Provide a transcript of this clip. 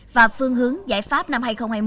và phương hướng giải pháp năm hai nghìn hai mươi